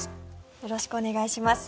よろしくお願いします。